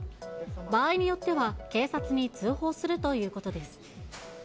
場合によっては警察に通報するということです。